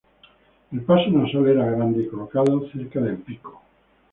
El paso nasal era grande y colocado cerca del pico.